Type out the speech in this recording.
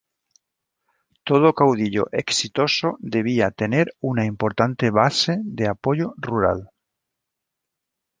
Todo caudillo exitoso debía tener una importante base de apoyo rural.